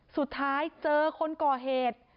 สุดท้ายเจอคนก่อเหตุ